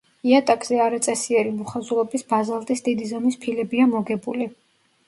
იატაკზე არაწესიერი მოხაზულობის ბაზალტის დიდი ზომის ფილებია მოგებული.